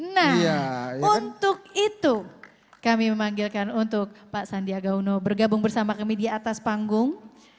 nah untuk itu kami memanggilkan untuk pak sandiaga uno bergabung bersama kami di atas panggung